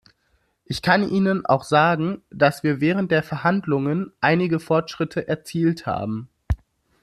Ich kann Ihnen auch sagen, dass wir während der Verhandlungen einige Fortschritte erzielt haben.